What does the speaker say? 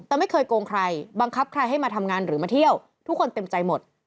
แต่ไม่เคยโกงใครบังคับใครให้มาทำงานหรือมาเที่ยวทุกคนเต็มใจหมด